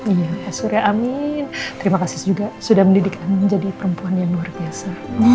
iya surya amin terima kasih juga sudah mendidikkan menjadi perempuan yang luar biasa